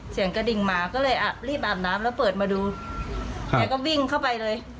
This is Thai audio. เสียงกระดิ่งมาก็เลยอาบรีบอาบน้ำแล้วเปิดมาดูแกก็วิ่งเข้าไปเลย